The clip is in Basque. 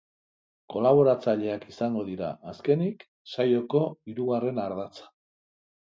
Kolaboratzaileak izango dira, azkenik, saioko hirugarren ardatza.